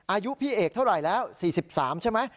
อายุพี่เอกเท่าไหร่แล้ว๔๓ใช่ไหม